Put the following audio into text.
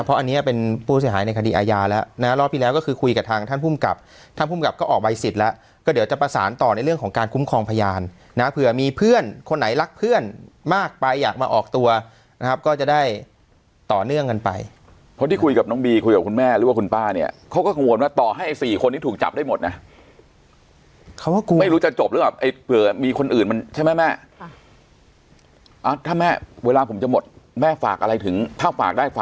เพราะอันนี้เป็นผู้เสียหายในคดีอาญาแล้วนะรอบที่แล้วก็คือคุยกับทางท่านภูมิกรรมกรรมกรรมกรรมกรรมกรรมกรรมกรรมกรรมกรรมกรรมกรรมกรรมกรรมกรรมกรรมกรรมกรรมกรรมกรรมกรรมกรรมกรรมกรรมกรรมกรรมกรรมกรรมกรรมกรรมกรรมกรรมกรรมกรรมกรรมกรรมกรรมกรรมกรรมกรรมกรร